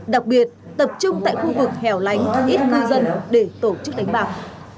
đặc biệt tập trung tại khu vực hẻo lánh ít ngư dân để tổ chức đánh bạc